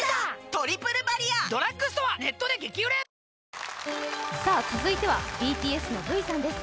「トリプルバリア」続いてはＢＴＳのＶさんです。